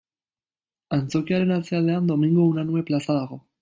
Antzokiaren atzealdean Domingo Unanue plaza dago.